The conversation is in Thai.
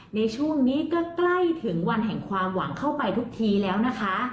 ในช่วงนี้ก็ใกล้ถึงวันแห่งความหวังเข้าไปทุกทีแล้วนะคะ